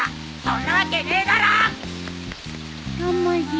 そんなわけねえだろ！はまじ。